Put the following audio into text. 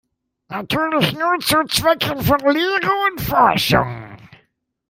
Natürlich nur zu Zwecken von Lehre und Forschung.